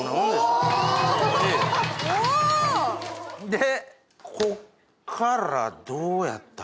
でこっからどうやった？